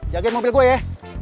jagain mobil gue ya